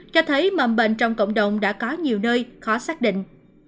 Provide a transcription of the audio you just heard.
cho thấy mầm bệnh trong cộng đồng đã có nhiều nơi khó xác định